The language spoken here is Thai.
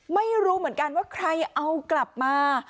ไม่รู้เหมือนกันว่าใครเอากลับมา